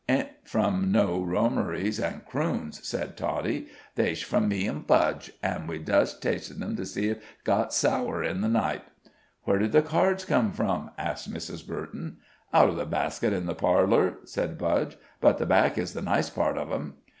"Ain't from no Rommerys an' Crewnes," said Toddie. "Theysh from me an' Budge, an' we dzust tasted 'em to see if they'd got sour in the night." "Where did the cards come from?" asked Mrs. Burton. "Out of the basket in the parlor," said Budge; "but the back is the nice part of 'em."